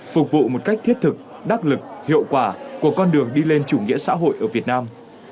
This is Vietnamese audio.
phục vụ một cách thiết thực đắc lực hiệu quả của con đường đi lên chủ nghĩa xã hội ở việt nam